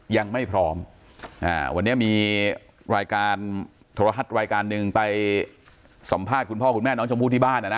ยังไม่พร้อมวันนี้มีรายการโทรทัศน์รายการหนึ่งไปสัมภาษณ์คุณพ่อคุณแม่น้องชมพู่ที่บ้านนะนะ